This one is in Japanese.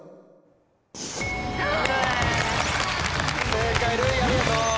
正解るういありがとう。